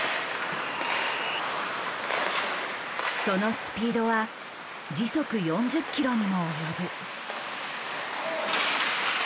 そのスピードは時速４０キロにも及ぶ。